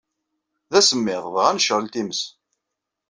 D asmmiḍ, dɣa necɛel times.